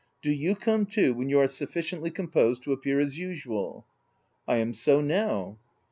Do you come too, when you are sufficiently composed to appear as usual." U I am so now."